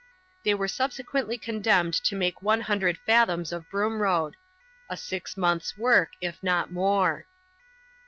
They were subsequently condemned to make one hundred fathoms of Broom Road — a six months' work, if not more.